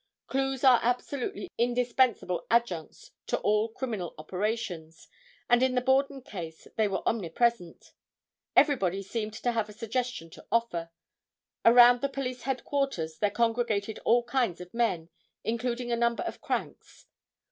Clues are absolutely indispensable adjuncts to all criminal operations and in the Borden case they were omnipresent. Everybody seemed to have a suggestion to offer. Around the police headquarters there congregated all kinds of men, including a number of cranks.